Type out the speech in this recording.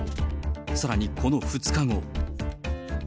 さらにこの２日後。